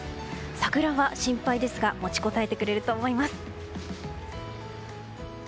桜は心配ですが持ちこたえてくれると思います。